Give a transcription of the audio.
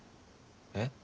えっ？